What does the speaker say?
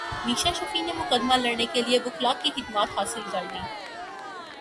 میشا شفیع نے مقدمہ لڑنے کیلئے وکلاء کی خدمات حاصل کرلیں